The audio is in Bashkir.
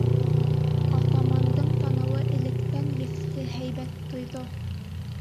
Атамандың танауы электән еҫте һәйбәт тойҙо.